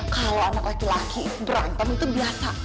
kalau anak laki laki berantem itu biasa